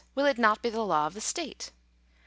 Will it not be the law of the state ?